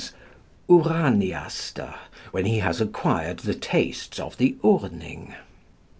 Uraniaster, when { he has acquired the { tastes of the Urning.